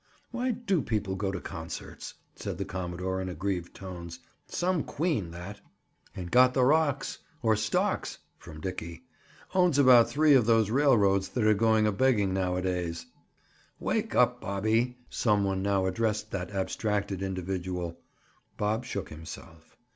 "Why do people go to concerts?" said the commodore in aggrieved tones. "Some queen, that!" "And got the rocks—or stocks!" from Dickie. "Owns about three of those railroads that are going a begging nowadays." "Wake up, Bobbie!" some one now addressed that abstracted individual. Bob shook himself.